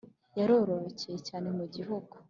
yarororokeye cyane mu gihugu